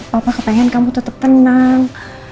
papa ketengahan kamu tetep tenang